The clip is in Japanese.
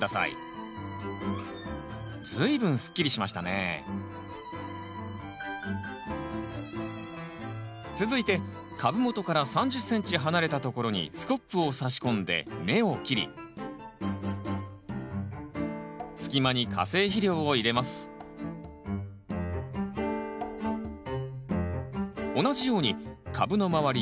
随分すっきりしましたね続いて株元から３０ｃｍ離れたところにスコップを差し込んで根を切り隙間に化成肥料を入れます同じように株の周り